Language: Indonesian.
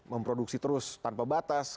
memproduksi terus tanpa batas